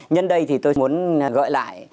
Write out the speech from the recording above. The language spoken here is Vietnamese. nhân đây thì tôi muốn gọi lại